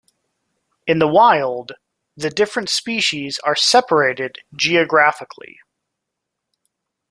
In the wild, the different species are separated geographically.